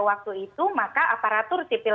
waktu itu maka aparatur sipil